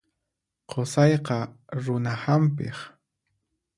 Qusayqa runa hampiq.